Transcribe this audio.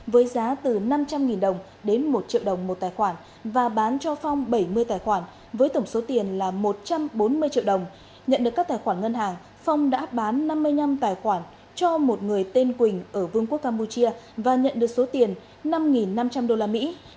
với giá từ năm trăm linh đồng đến một triệu đồng một tài khoản và bán cho phong bảy mươi tài khoản với tổng số tiền là một trăm bốn mươi triệu đồng nhận được các tài khoản ngân hàng phong đã bán năm mươi năm tài khoản cho một người tên quỳnh ở vương quốc campuchia và nhận được số tiền năm năm trăm linh đô la mỹ